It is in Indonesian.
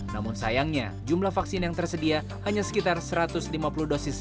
namun sayangnya jumlah vaksin yang tersedia hanya sekitar satu ratus lima puluh dosis saja